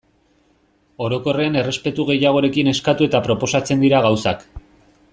Orokorrean errespetu gehiagorekin eskatu eta proposatzen dira gauzak.